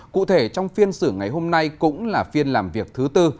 cụ thể trong phiên xử ngày hôm nay cũng là phiên làm việc thứ tư